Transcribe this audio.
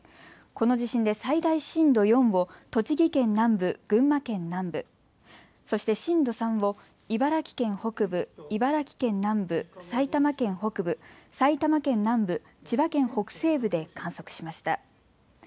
この地震で最大震度４を栃木県南部、群馬県南部、そして震度３を茨城県北部、茨城県南部、埼玉県北部、埼玉県南部、千葉県北西部で観測しました。